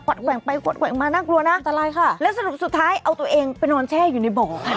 แกว่งไปกวัดแกว่งมาน่ากลัวนะอันตรายค่ะแล้วสรุปสุดท้ายเอาตัวเองไปนอนแช่อยู่ในบ่อค่ะ